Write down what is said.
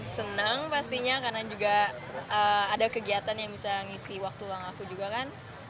senang pastinya karena juga ada kegiatan yang bisa ngisi waktu uang aku juga kan